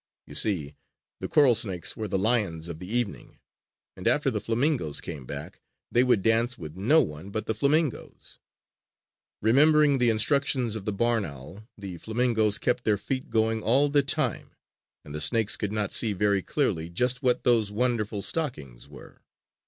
You see, the coral snakes were the lions of the evening, and after the flamingoes came back, they would dance with no one but the flamingoes. Remembering the instructions of the barn owl, the flamingoes kept their feet going all the time, and the snakes could not see very clearly just what those wonderful stockings were.